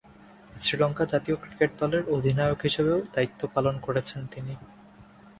শ্রীলঙ্কা জাতীয় ক্রিকেট দলের অধিনায়ক হিসেবেও দায়িত্ব পালন করেছেন তিনি।